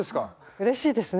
うれしいですね。